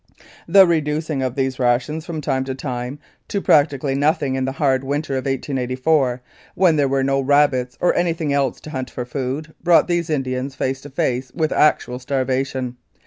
"The reducing of these rations from time to time to practically nothing in the hard winter of 1884, when there were no rabbits or anything else to hunt for food, brought these Indians face to face with actual starvation.